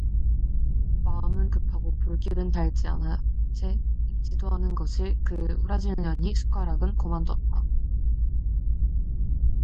마음은 급하고 불길은 달지 않아 채 익지도 않은 것을 그 오라질년이 숟가락은 고만뒀다